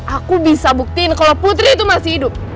aku bisa buktiin kalau putri itu masih hidup